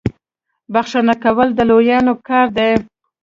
بخښنه کول د لویانو کار دی.